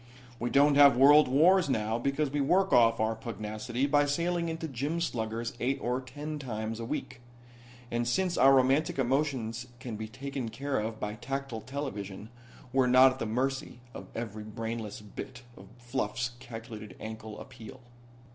We don't have world wars now because we work off our pugnacity by sailing into gym sluggers eight or ten times a week. And since our romantic emotions can be taken care of by tactile television we're not at the mercy of every brainless bit of fluff's calculated ankle appeal."